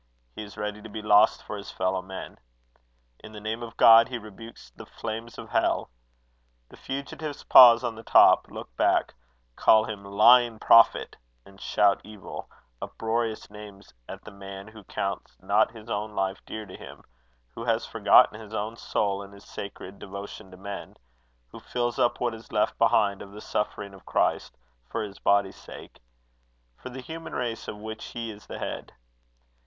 He is ready to be lost for his fellow men. In the name of God he rebukes the flames of hell. The fugitives pause on the top, look back, call him lying prophet, and shout evil opprobrious names at the man who counts not his own life dear to him, who has forgotten his own soul in his sacred devotion to men, who fills up what is left behind of the sufferings of Christ, for his body's sake for the human race, of which he is the head.